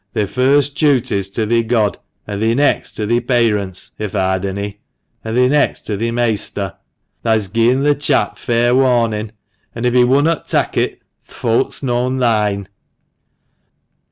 Thi first duty's to thi God, an' thi next to thi payrents (if tha' had anny), an' thi next to thi measter. Thah's gi'en the chap fair warnin', an' if he wunnot tak it th' faut's noan thoine."